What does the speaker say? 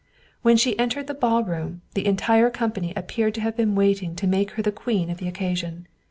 When she entered the ballroom, the entire company appeared to have been waiting to make her the queen of the occasion.